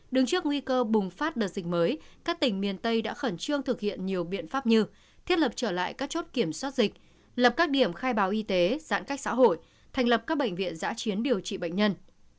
đứng trước nguy cơ bùng phát đợt dịch mới các tỉnh miền tây đã khẩn trương thực hiện nhiều biện pháp như thiết lập trở lại các chốt kiểm soát dịch lập các điểm khai báo y tế giãn cách xã hội thành lập các bệnh viện giã chiến điều trị bệnh nhân